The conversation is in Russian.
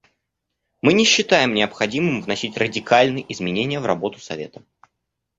Мы не считаем необходимым вносить радикальные изменения в работу Совета.